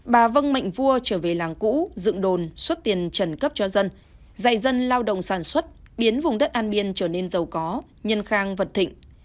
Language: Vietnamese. bà vân mạnh vua trở về làng cũ dựng đồn xuất tiền trần cấp cho dân dạy dân lao động sản xuất biến vùng đất an biên trở nên giàu có nhân khang vật thịnh